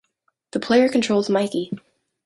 The player controls Mikey.